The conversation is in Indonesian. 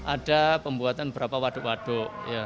ada pembuatan beberapa waduk waduk